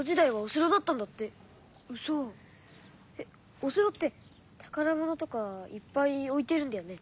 お城ってたからものとかいっぱいおいてるんだよね。